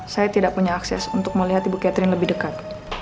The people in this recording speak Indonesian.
saya tidak punya akses untuk melihat ibu catherine lebih dekat